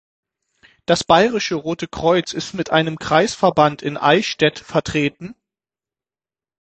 Das Bayerische Rote Kreuz ist mit einem Kreisverband in Eichstätt vertreten.